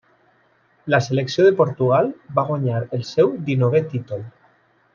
La selecció de Portugal va guanyar el seu dinovè títol.